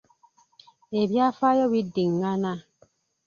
Ebyafaayo bidingana.